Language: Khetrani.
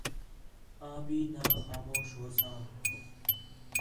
آں بھی نا خوش ہوساں